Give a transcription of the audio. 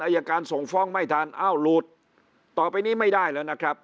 อายการส่งฟ้องไม่ทันอ้าวหลุดต่อไปนี้ไม่ได้แล้วนะครับ